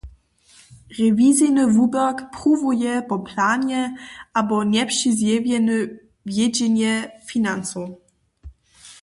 Rewizijny wuběrk pruwuje po planje abo njepřizjewjeny wjedźenje financow.